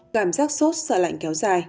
cảm giác sốt sợ lạnh kéo dài